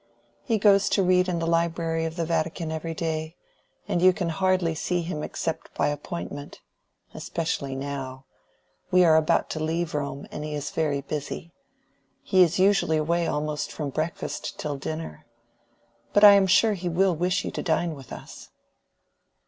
"He goes to read in the Library of the Vatican every day, and you can hardly see him except by an appointment. Especially now. We are about to leave Rome, and he is very busy. He is usually away almost from breakfast till dinner. But I am sure he will wish you to dine with us."